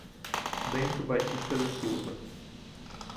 Bento Batista da Silva